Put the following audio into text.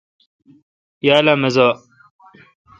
یال اؘ مزہ۔